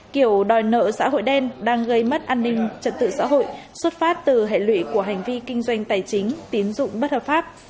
kiểu đòi nợ xã hội đen đang gây mất an ninh trật tự xã hội xuất phát từ hệ lụy của hành vi kinh doanh tài chính tiến dụng bất hợp pháp